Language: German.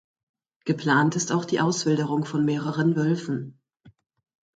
Geplant ist auch die Auswilderung von mehreren Wölfen.